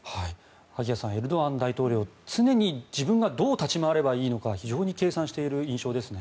萩谷さんエルドアン大統領常に自分がどう立ち回ればいいか非常に計算している印象ですね。